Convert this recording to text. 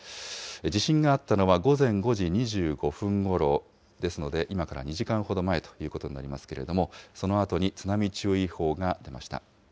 地震があったのは午前５時２５分ごろですので、今から２時間ほど前ということになりますけれども、そのあとに津波注意報が出ました。